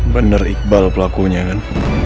bener iqbal pelakunya kan